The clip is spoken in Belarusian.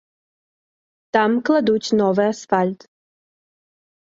Там кладуць новы асфальт.